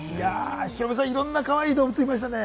ヒロミさん、いろんなかわいい動物いましたね。